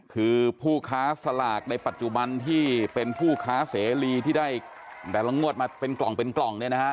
คือผู้ค้าสลากในปัจจุบันที่เป็นผู้ค้าเสรีที่ได้แต่ละงวดมาเป็นกล่องเป็นกล่องเนี่ยนะฮะ